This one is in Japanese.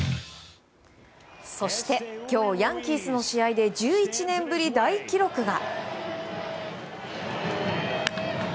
そして今日ヤンキースの試合で１１年ぶり大記録が。